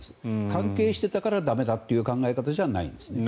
関係していたから駄目だという考え方じゃないんです。